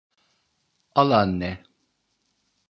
Al anne.